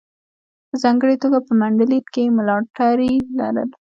په ځانګړې توګه په منډلینډ کې یې ملاتړي لرل.